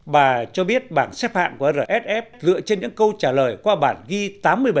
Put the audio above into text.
bà cho biết bảng xếp hạng của rsf dựa trên những câu trả lời qua bản ghi tám mươi bảy